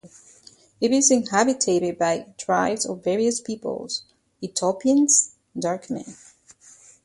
It is inhabited by tribes of various peoples, Ethiopians, dark men.